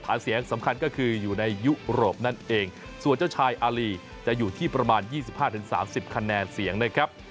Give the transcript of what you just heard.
เสียงสำคัญก็คืออยู่ในยุโรปนั่นเองส่วนเจ้าชายอารีจะอยู่ที่ประมาณ๒๕๓๐คะแนนเสียงนะครับ